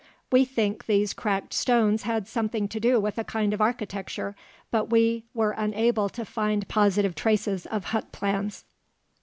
We think these cracked stones had something to do with a kind of architecture, but we were unable to find positive traces of hut plans.